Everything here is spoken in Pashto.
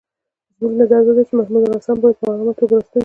زموږ نظر دا دی چې محمودالحسن باید په آرامه توګه را ستون شي.